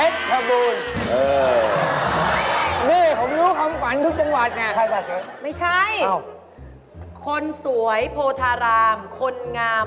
ตรูต้อนใช่ไหม